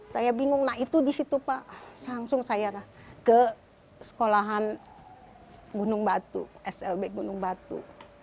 saya bingung nah itu di situ pak langsung saya ke sekolahan gunung batu slb gunung batu